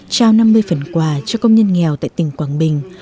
trao năm mươi phần quà cho công nhân nghèo tại tỉnh quảng bình